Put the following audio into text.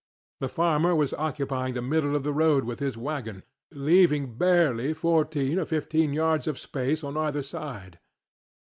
The farmer was occupying the middle of the road with his wagon, leaving barely fourteen or fifteen yards of space on either side.